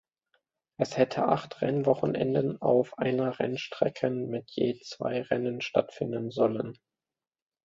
Es hätte acht Rennwochenenden auf einer Rennstrecken mit je zwei Rennen stattfinden sollen.